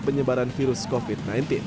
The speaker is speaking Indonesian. penyebaran virus covid sembilan belas